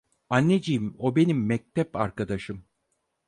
Anneciğim, o benim mektep arkadaşım!"